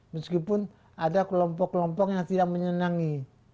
meskipun ada kelompok kelompok yang tidak menyenangi